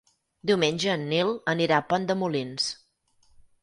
Diumenge en Nil anirà a Pont de Molins.